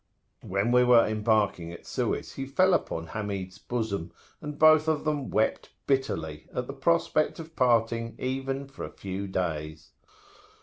When we were embarking at Suez, he fell upon Hamid's bosom, and both of them wept bitterly, at the prospect of parting even for a few days.